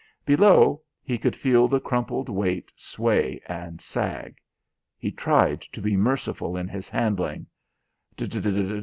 Below he could feel the crumpled weight sway and sag. He tried to be merciful in his handling.